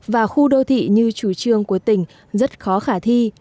và khu đô thị như chủ trương của tỉnh rất khó khả thi